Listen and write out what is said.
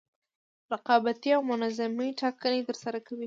رقابتي او منظمې ټاکنې ترسره کوي.